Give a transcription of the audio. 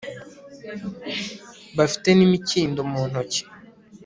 bafite n'imikindo mu ntoki